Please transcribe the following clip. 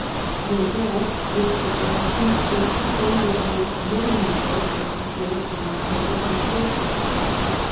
No doubt Mr. Gladstone was shown to have made many mistakes as to dates and details and persons.